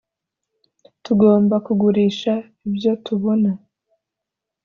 tugomba kugurisha ibyo tubona